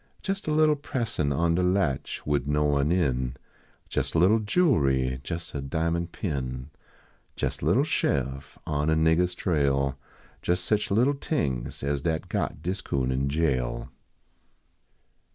Jes a little pressin on de latch, wid no one in ; Jes a little jewelry, jes a diamond pin ; Jes a little sheriff on a niggah s trail. Jes seen little tings as dat got dis coon in jail.